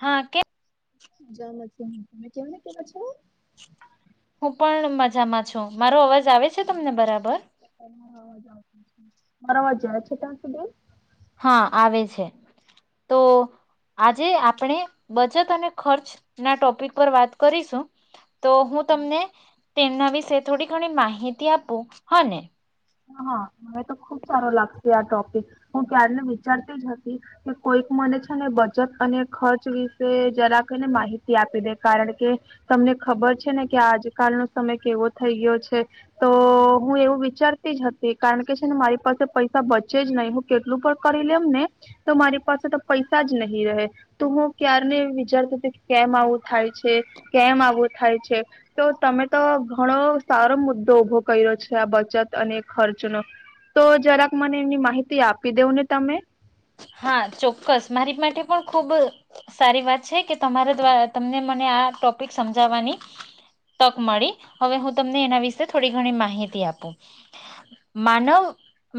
હા કે જત કેવા ને કે પછ હું પણ મજામાં છું. મારો અવાજ આવે છે તમને બરાબર? હ [unintelligible] મારો આવાજ જાય છે ત્યાં સુધી? હા, આવે છે તો આજે આપણે બચત અને ખર્ચ ના ટોપિક પર વાત કરીશું. તો હું તમને તેમના વિશે થોડી ઘણી માહિતી આપું હ ને! હા મને તો ખુબ સારો લાગશે આ ટોપિક. હું ક્યારની વિચારતી જ હતી કે કોઈક મને છે ને બચત અને ખર્ચ વિશે જરા કને માહિતી આપી દે. કારણ કે તમને ખબર છે ને કે આજકાલનો સમય કેવો થઈ ગયો છે. તો હું એવું વિચાર જ હતી કારણ કે, છે ને મારી પાસે પૈસા બચે જ નહી હું કેટલું પણ કરી લેમ ને તો મારી પાસે તો પૈસા જ નહીં રહે. તો હું ક્યારે વિચારતી હતી કેમ આવું થાય છે, કેમ આવું થાય છે, તો તમે તો ઘણો સારો મુદ્દો ઊભો કર્યો છે આ બચત. અને ખર્ચ નો તો જરાક મને એમની માહિતી આપી દેવ ને તમે. હા, ચોક્કસ મારી માટે પણ ખુબ સારી વાત છે કે તમારા દ્વારા તમને મને આ ટોપિક સમજાવવાની તક મળી. હવે હું તમને એના વિશે થોડી ઘણી માહિતી આપું. માનવ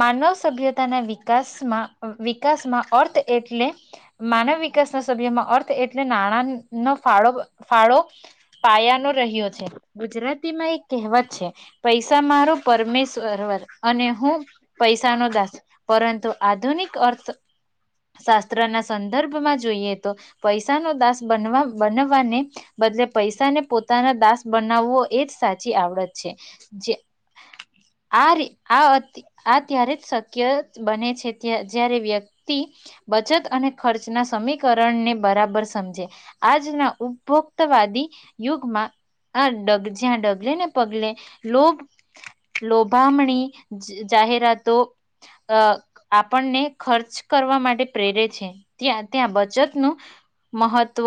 માનવ સભ્યતાના વિકાસમાં વિ વિકાસમા અર્થ એટલે માનવ વિકાસ ના સભ્યમાં અર્થ એટલે નાણાં નો ફાળો ફાળો પાયાનો રહ્યો છે. ગુજરાતીમાં એક કહેવત છે, પૈસા મારો પરમેશ્વર અને હું પૈસા નો દાસ પરંતુ આધુનિક અર્થ શાસ્ત્રના સંદર્ભમાં જોઈએ તો પૈસાનો દાસ બનવા બનવવાને બદલે પૈસાને પોતાના દાસ બનાવવો એ જ સાચી આવડત છે. આ આ આ ત્યારે જ શક્ય બને છે જ્યારે વ્ય બચત અને ખર્ચના સમીકરણને બરાબર સમજે આજના ઉપભોક્તવાદી યુગમાં આગ જ્યાં ડગલેને પગલે લોભ લોભામણી જાહેરાતો અ આપણને ખર્ચ કરવા માટે પ્રેરે છે. ત્યાં ત્યાં બચતનું મહત્વ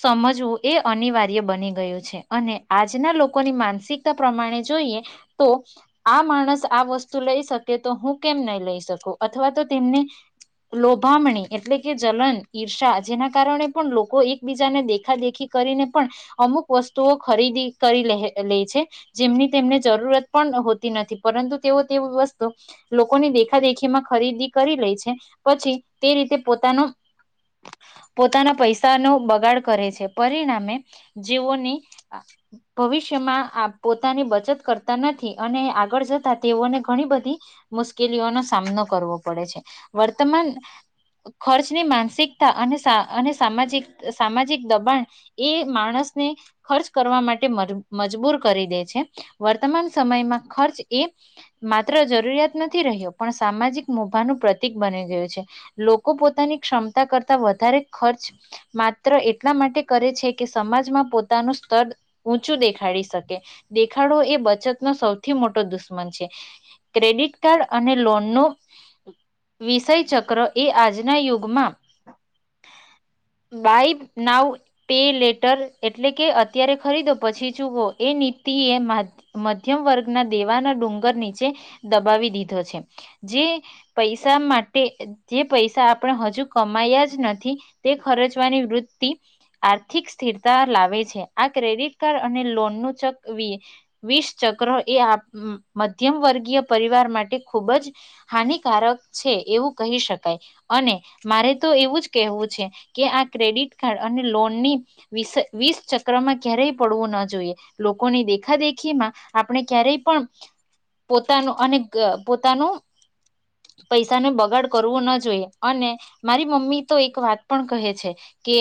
સમજવું એ અનિવાર્ય બની ગયું છે. અને આજના લોકોની માનસિકતા પ્રમાણે જોઈએ તો આ માણસ આ વસ્તુ લઈ શકે તો હું કેમ નહીં લઈ શકું અથવા તો તેમને લોભામણી એટલે કે જલન, ઈર્ષા જેના કારણે પણ લોકો એકબીજાને દેખાદેખી કરીને પણ અમુક વસ્તુઓ ખરીદી કરી લહે લે છે. જેમની તેમને જરૂરત પણ હોતી નથી પરંતુ તેઓ તે વસ્તુ લોકોની દેખાદેખીમાં ખરીદી કરી લેય છે. પછી તે રીતે પોતાનો પોતાના પૈસાનો બગાડ કરે છે. પરિણામે જેઓને ભવિષ્યમાં આ પોતાની બચત કરતા નથી અને આગળ જતા તેઓને ઘણી બધી મુશ્કેલીઓનો સામનો કરવો પડે છે. વર્તમાન ખર્ચની માનસિકતા અને સા અને સામાજિક સામાજિક દબાણ એ માણસને ખર્ચ કરવા માટે મજબૂર કરી દે છે. વર્તમાન સમયમાં ખર્ચ એ માત્ર જરૂરિયાત નથી રહ્યો પણ સામાજિક મોભાનું બની ગયું છે. લોકો પોતાની ક્ષમતા કરતા વધારે ખર્ચ માત્ર એટલા માટે કરે છે કે, સમાજમાં પોતાનું સ્તર ઊંચું દેખાડી શકે. દેખાડો એ બચતનો સૌથી મોટો દુશ્મન છે. ક્રેડિટ કાર્ડ અને લોન નો વિષય ચક્ર એ આજના યુગમાં બાય નાવ પે લેટર એટલે કે, અત્યારે ખરીદો પછી ચુકો એ નીતિ એ મધ્યમ વર્ગના દેવાના ડુંગર નીચે દબાવી દીધો છે. જે પૈસા માટે જે પૈસા આપણે હજુ કમાયા જ નથી તે ખર્ચવાની વૃત્તિ આર્થિક સ્થિરતા લાવે છે. આ ક્રેડિટ કાર્ડ અને લોનનું વીસ ચક્ર એ મધ્યમ વર્ગીય પરિવાર માટે ખૂબ જ હાનિ કારક છે એવું કહી શકાય. અને મારે તો એવું જ કહેવું છે કે આ ક્રેડિટ કાર્ડ અને લોનની વીસ ચક્રમાં ક્યારેય પડવું ના જોઈએ લોકોની દેખાદેખીમાં આપણે ક્યારેય પણ પોતાનું અને પોતાનું પૈસાને બગાડ કરવું ન જોઈએ અને મારી મમ્મી તો એક વાત પણ કહે છે કે,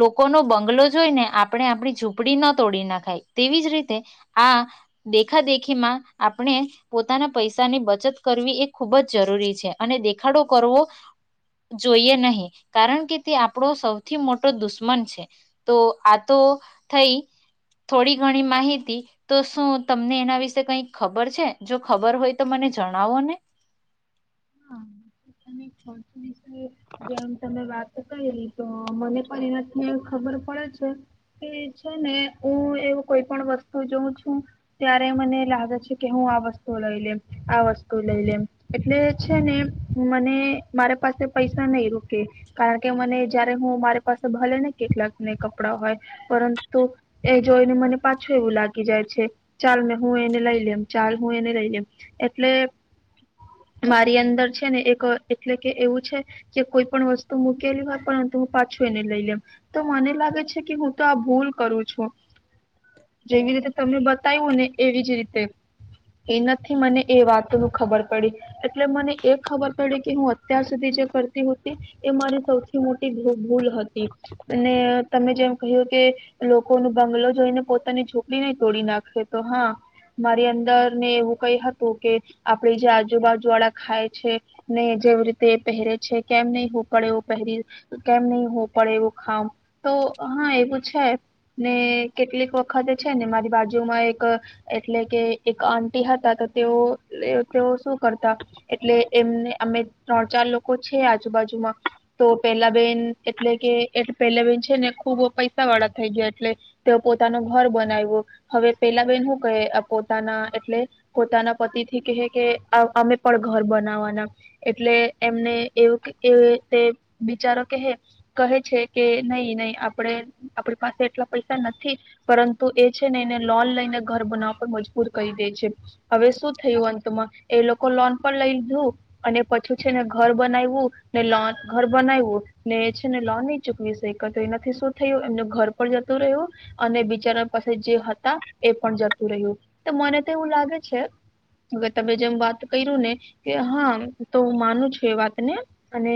લોકોનો બંગલો જોઈને આપણે આપણી ઝૂંપડી ન તોડી નખાય. તેવી જ રીતે આ દેખાદેખીમાં આપણે પોતાના પૈસાની બચત કરવી એ ખૂબ જ જરૂરી છે અને દેખાડો કરવો જોઈએ નહી કારણ કે, તે આપણો સૌથી મોટો દુશ્મન છે. તો આ તો થઈ થોડી ઘણી માહિતી તો શું તમને એના વિશે કઈક ખબર છે? જો ખબર હોય તો મને જણાવો ને [inaudible] જેમ તમે વાત ક તો મને પણ એનાથી ખબર પડે છે. કે છે ને હું એવું કોઈ પણ વસ્તુ જોઉં છું ત્યારે મને લાગે છે કે હું આ વસ્તુ લઈ લેવ આ વસ્તુ લઈ લેવ એટલે છે ને મને મારે પાસે પૈસા નહી રોકે. કારણ કે મને જયારે હું મારી પાસે ભલે ને કેટલાકને કપડાં હોય પરંતુ એ જોઈને મને પાછું એવું લાગી જાય છે ચાલ મેં હું એને લઈ લે ચાલ હું એને લઈ લેવ એટલે મારી અંદર છે ને એક એટલે કે એવું છે કે કોઈ પણ વસ્તુ મૂકેલી હોય પરંતુ હું પાછું એને લઈ લેમ. તો મને લાગે છે કે હું તો આ ભૂલ કરું છું, જેવી રીતે તમે બતાવ્યું ને એવી જ રીતે એના મને એ વાતો ન ખબર પડી. એટલે મને એ ખબર પડી કે હું હતી અત્યાર સુધી જે કરતી હતી એ મારી સૌથી મોટી ભૂલ હતી અને તમે જેમ કહ્યું કે લોકો ન બંગલો જોઈને પોતાની ઝૂંપડી ને તોડી નાખે તો હા, મારી અંદર ને એવું કઈ હતું કે આપડી જે આજ આજુબાજુ વાળા ખાય છે, ને જેવી રીતે એ પેહેરે છે કેમ નઈ હું પડે એવું પહેરી, કેમ નહ હોવું પડે એવું ખામ, તો હા એવું છે. ને કેટલીક વખત છે ને મારી બાજુમાં એક એટલે કે એક આંટી હતા તો તેઓ તેઓ શું કરતા એટલે એમને અમે ત્રણ ચાર લોકો છે. આજુબાજુમાં તો પેલા બેન એટલે કે પેલા બેન છે ને ખુબ પૈસા વાળા થઈ ગયા. એટલે તેઓ પોતાનું ઘર બનાયવુ, હવે પેલા બેહન હું કહે પોતાના એટલે પોતાના પતિ થી કહે કે અમે પણ ઘર બનાવવાના એટલે એમને એવું એ બિચારો ક કહે છે કે નહી નહી આપણે આપણી પાસે એટલા પૈસા નથી પરંતુ, એ છે ને એને લોન લઈને ઘર બનાવવા પર મજબૂર કરી દે છે. હવે શું થયું અંતમાં? એ લોકો લોન પર લ લીધું અને પછી છે ને ઘર બનાયવું ને લોન ઘર બનાવવું ને એ છે ને લોન નઈ ચૂકવીશ એના શું થયું એમનું ઘર પણ જતું રહ્યું અને બિચારા પાસે જે હતા એ પણ જતું રહ્યું. તો મને તો એવું લાગે છે કે તમે જેમ વાત કર્યું ને કે હા તો હું માનું છું એ વાતને અને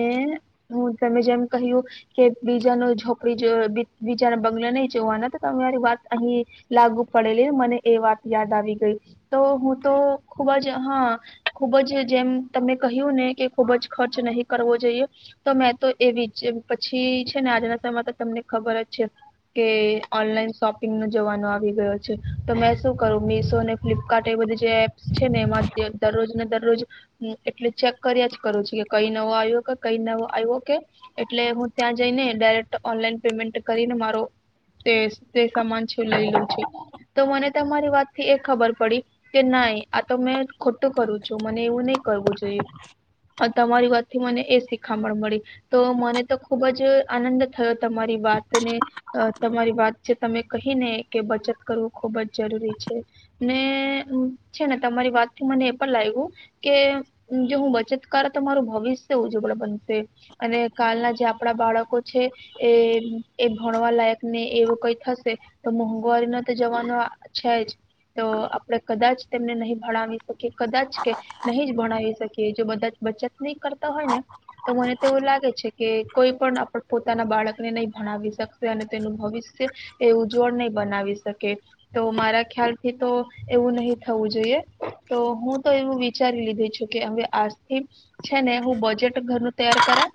હું તમે જેમ કહ્યું કે બીજા ન જોપડી બીજાના બંગલા નહી જોવાના તો તમારી વાત અહી લાગુ પડેલી મને એ વાત યાદ આવી ગઈ. તો હું તો ખુબ જ હા, ખુબ જ જેમ તમને કહ્યું ને કે ખુબ જ ખર્ચ નહી કરવો જોઈએ. તો મેં તો એવી પછી છે ને આજના સમયમાં તો તમને ખબર જ છે કે ઓનલાઈન શોપિંગ જવાનો આવી ગયો છે. તો મેં શું કરું મિશો અને ફ્લિપકાર્ટ એ બધું જે એપ્સ છે ને દરરોજને દરરોજ હું એટલે ચેક કર્યા જ કરું છું. કે કઈ નવુ આવ્યો કે કઈ નવો આવ્યો કે એટલે હું ત્યાં જઈને ડાયરેક્ટ ઓનલાઈન પેમેન્ટ કરીને મારો જે સામાન છે લઈ લઉં છે. તો મને તમારી વાતથી એ ખબર પડી કે ના તો મેં ખોટું કરું છું મને એવું નહી કરવું જોઈએ. તમારી વાતથી મને એ શીખામણ મળી તો મને તો ખૂબ જ આનંદ થયો તમારી વાતને તમારી વાત જે તમે કહી ને કે બચત કરવું ખૂબ જ જરૂરી છે. ને છે ને તમારી વાત થી મને એ પણ લાગ્યું કે જે હું બચત કરું તો તમારું ભવિષ્ય ઉજ્જવળ બનશે અને કાલના જે આપડા બાળકો છે એ-એ ભણવા લાયક ને એવું કઈ થશે તો મોંઘવારી ના તો જમાનો છે જ તો આપડે કદાચ તેમને નહી ભણાવી કે કદાચ કે નહી જ ભણાવી શકે કે જો બધા જ બચત નહીં કરતા હોય ને તો મને તોવું લાગે છે કે કોઈ પણ આપ પોતાના બાળકને નહી ભણાવી શકશે અને તેનું ભવિષ્ય એ ઉજ્જવળ નહી બનાવી શકે, તો મારા ખ્યાલથી તો એવું નહી થવું જોઈએ તો હું તો એવું વિચારી લીધું છું કે હવે આજથી છે ને હું બજેટ ઘરનું તૈયાર કરા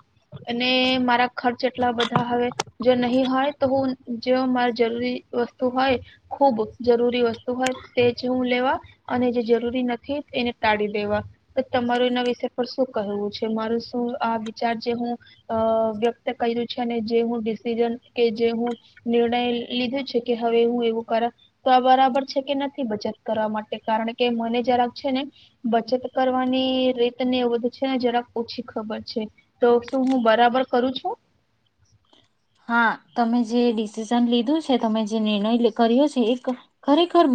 અને મારા ખર્ચ એટલા બધા હવે જો નહી હોય તો હું જો મારે જરૂરી વસ્તુ હોય, ખુબ જરૂરી વસ્તુ હોય તે જ હું લેવા અને જે જરૂર જરી નથી એને ટાળી દેવા તો તમારું એના વિષ પર શું કહેવું છે મારું શું આ વિચાર જે હું વ્યક્ત કર્યું છે અને જે હું ડિસિઝન કે જે હું નિર્ણય લીધો છે કે હવે હું એવું કર તો આ બરાબર છે કે નથી બચત કરવા માટે કારણ કે મને જરાક છે ને બચત કરવાની રીત ને એ વધધી છે ને જરાક ઓછી ખબર છે તો શું હું બરાબર કરું છું? હા, તમે જે ડિસિઝન લીધું છે તમે જે નિર્ણય કર્યો છે એ ખરેખર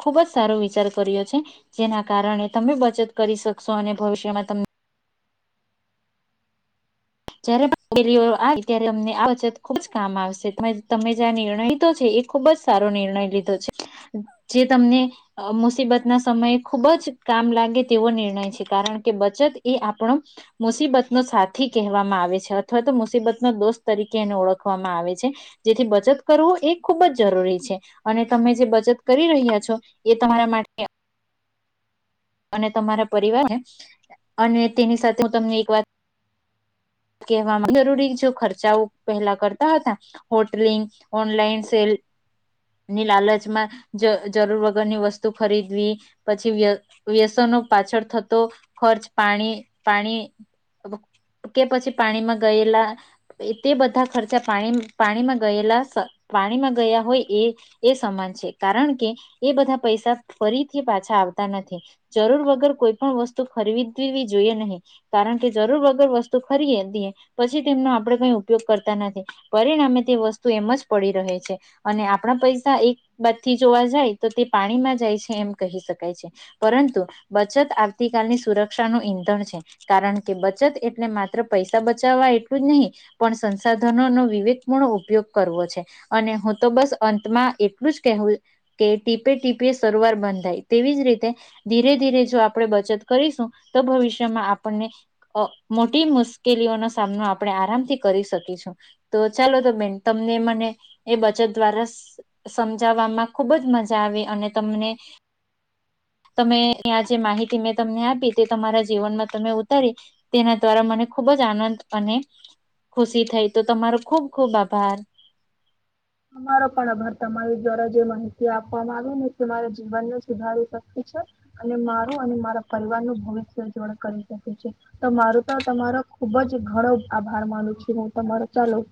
ખુબ જ સારો વિચાર કર્યો છે જેના કારણે તમે બચત કરી શકશો અને ભવિષ્યમાં તમે જયારેેલીઓ આવી ત્યારે તમને આ બચત ખુબ જ કામ આવશે તમે જે આ નિર્ણય લીધો છે એ ખુબ જ સારો નિર્ણય લીધો છે જે તમને મુસીબત ના સમયે ખુબ જ કામ લાગે તેવો નિર્ણય છે કારણ કે બચત એ આપણો મુસીબતનો સાથી કહેવામાં આવે છે અથવા તો મુસીબતનો દોસ્ત તરીકે એને ઓળખવામાં આવે છે જેથી બચત કરવું એ ખૂબ જ જરૂરી છે અને તમે જે બચત કરી રહ્યા છો એ તમારા માટે અને તમારા પરિવારને અને તેની સાથે હું તમને એક વાત કહેવા જરૂરી જો ખર્ચાઓ પહેલા કરતા હતા હોટલિંગ, ઓનલાઈન સેલની લાલચમાં જર-જરૂર વગરની વસ્તુ ખરીદવી પછી વ્ય-વ્યસનો પાછળ થતો ખર્ચ પાણી-પાણી કે પછી પાણીમાં ગયેલા તે બધા ખર્ચા પાણી-પાણીમાં ગયેલા સ પાણીમાં ગયા હોય એ-એ સમાન છે કારણ કે એ બધા પૈસા ફરીથી પાછા આવતા નથી જરૂર વગર કોઈ પણ વસ્તુ ખરીદવી જોઈએ નહીં કારણ કે જરૂર વગર વસ્તુ ખરીએ પછી તેમનો આપણે કઈ ઉપયોગ કરતા નથી પરિણામે તે વસ્તુ એમ જ પડી રહે છે અને આપણા પૈસા એક બાદથી જોવા જાય તો તે પાણીમાં જાય છે એમ કહી શકાય છે પરંતુ બચત આવતીકાલની સુરક્ષાનું ઈંધણ છે કારણ કે બચત એટલે માત્ર પૈસા બચાવવા એટલું જ નહીં પણ સંસાધનોનો વિવેકપૂર્ણ ઉપયોગ કરવો છે અને હું તો બસ અંતમાં એટલું જ કહેવું કે ટીપે ટીપે સરોવર બંધાય તેવી જ રીતે ધીરે ધીરે જો આપણે બચત કરીશું તો ભવિષ્યમાં આપણને મોટી મુશ કેલીઓ નો સામનો આપણે આરામથી કરી શકીશું તો ચાલો તો બેન તમને મને એ બચત દ્વારા સમજાવવામાં ખુબ જ મજા આવી અને તમને તમે ત્યા જે માહિતી મેં તમને આપી તે તમારા જીવનમાં તમે ઉતારી તેના દ્વારા મને ખુબ જ આનંદ અને ખુશી થઈ તો તમારો ખુબ- ખુબ આભાર. તમારો પણ આભાર તમારી દ્વારા જે માહિતી આપવામાં આવી ને તે મારા જીવનને સુધારી શકે છે અને મારું અને મારા પરિવાર નું ભવિષ્ય જોડ કરી શકે છે તો મારું તો તમારો ખુબ જ ઘણો આભાર માનું છે હું તમારો ચાલો